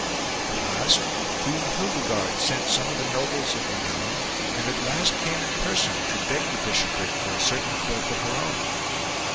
At last Queen Hildigard sent some of the nobles of the realm, and 64 QUEEN HILDIGARD'S APPEAL at last came in person, to beg the bishopric for a certain clerk of her own.